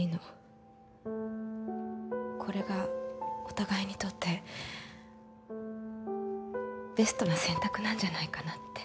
これがお互いにとってベストな選択なんじゃないかなって。